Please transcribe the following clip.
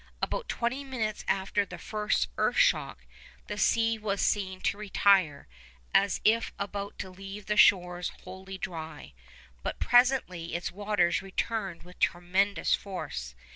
About twenty minutes after the first earth shock, the sea was seen to retire, as if about to leave the shores wholly dry; but presently its waters returned with tremendous force.